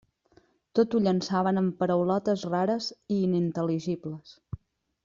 Tot ho llançaven amb paraulotes rares i inintel·ligibles.